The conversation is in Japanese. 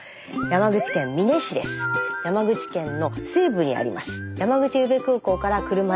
山口県の西部にあります。